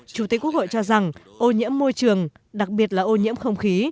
chủ tịch quốc hội cho rằng ô nhiễm môi trường đặc biệt là ô nhiễm không khí